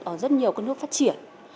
ở rất nhiều nước phát triển